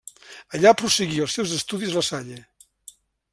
Allà prosseguí els seus estudis La Salle.